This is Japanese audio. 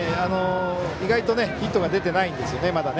意外とヒットが出ていないんですよね。